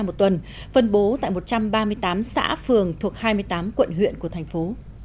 một tuần phân bố tại một trăm ba mươi tám xã phường thuộc hai mươi tám quận huyện của thành phố